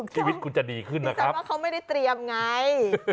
ชีวิตคุณจะดีขึ้นนะครับ